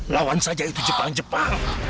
lawan saja itu jepang jepang